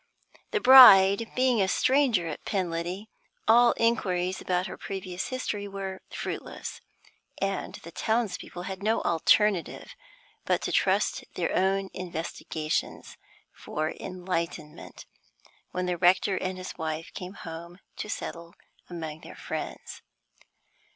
The bride being a stranger at Penliddy, all inquiries about her previous history were fruitless, and the townspeople had no alternative but to trust to their own investigations for enlightenment when the rector and his wife came home to settle among their friends.